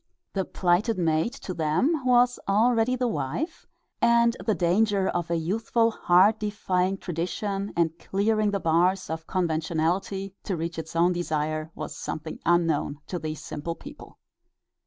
The plighted maid to them was already the wife, and the danger of a youthful heart defying tradition and clearing the bars of conventionality to reach its own desire was something unknown to these simple people.